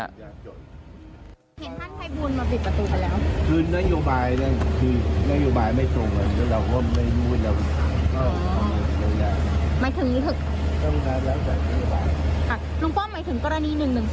หมายถึงกรณี๑๑๒เหรอคะท่าน